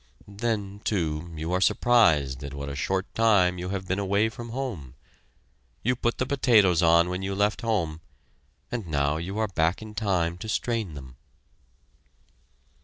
Then, too, you are surprised at what a short time you have been away from home. You put the potatoes on when you left home, and now you are back in time to strain them.